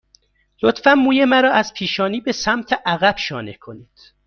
لطفاً موی مرا از پیشانی به سمت عقب شانه کنید.